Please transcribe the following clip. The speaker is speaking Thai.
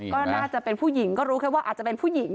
ก็น่าจะเป็นผู้หญิงก็รู้แค่ว่าอาจจะเป็นผู้หญิง